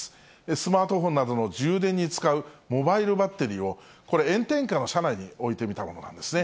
スマートフォンなどの充電に使うモバイルバッテリーを、これ、炎天下の車内に置いてみたものなんですね。